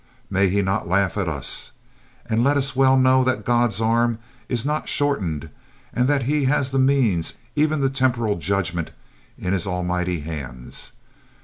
May He not laugh at us! And let us well know that God's arm is not shortened and that He has the means, even of temporal judgment, in His almighty hands.